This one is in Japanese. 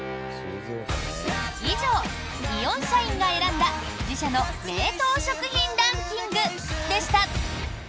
以上、イオン社員が選んだ自社の冷凍食品ランキングでした。